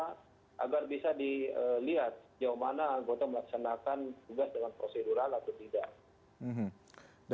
jauh mana anggota melaksanakan tugas dengan prosedural atau tidak